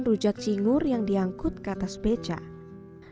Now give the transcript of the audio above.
ada banyak peralatan yang harus kita gunakan untuk menjualnya